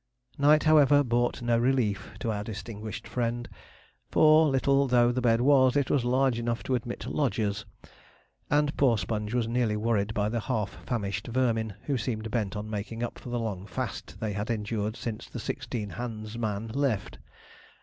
Night, however, brought no relief to our distinguished friend; for, little though the bed was, it was large enough to admit lodgers, and poor Sponge was nearly worried by the half famished vermin, who seemed bent on making up for the long fast they had endured since the sixteen hands man left.